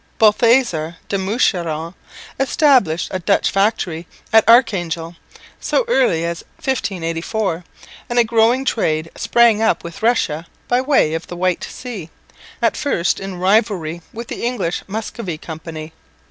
Balthazar de Moucheron established a Dutch factory at Archangel so early as 1584; and a growing trade sprang up with Russia by way of the White Sea, at first in rivalry with the English Muscovy Company.